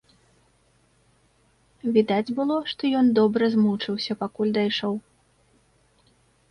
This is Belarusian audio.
Відаць было, што ён добра змучыўся, пакуль дайшоў.